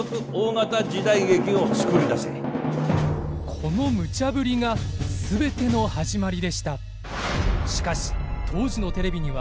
このムチャぶりが全ての始まりでした。